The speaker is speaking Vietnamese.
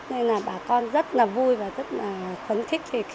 nên là bà con rất là vui và rất là phấn khích